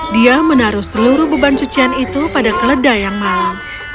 dia menaruh seluruh beban cucian itu pada keledai yang malam